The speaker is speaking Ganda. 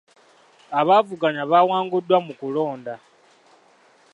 Abavuganya bawanguddwa mu kulonda.